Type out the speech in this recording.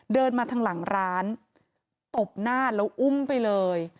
เดินมาทางหลังร้านตบหน้าแล้วอุ้มไปเลย